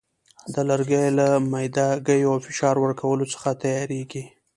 د لرګیو له میده ګیو او فشار ورکولو څخه تیاریږي.